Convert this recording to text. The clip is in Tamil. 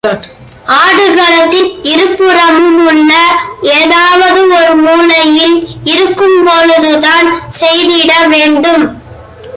ஆடுகளத்தின் இருபுறமும் உள்ள ஏதாவது ஒரு மூலையில் இருக்கும்பொழுதுதான் செய்திட வேண்டும்.